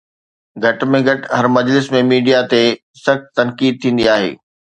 گهٽ ۾ گهٽ هر مجلس ۾ ميڊيا تي سخت تنقيد ٿيندي آهي.